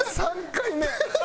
３回目！